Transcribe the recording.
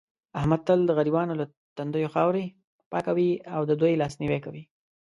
احمد تل د غریبانو له تندیو خاورې پاکوي او دې دوی لاس نیوی کوي.